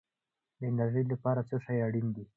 د انرژۍ لپاره څه شی اړین دی؟